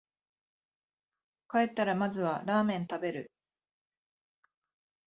帰ったらまずはラーメン食べる